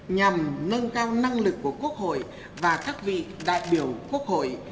nhằm nâng cao năng lực của quốc hội và các vị đại biểu quốc hội